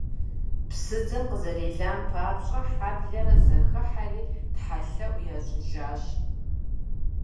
Псыдзэм къызэрелам папщӏэ, хьэблэр зэхыхьэри тхьэлъэӏу ящӏыжащ.